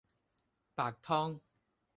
白湯